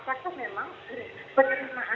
apakah memang penerimaan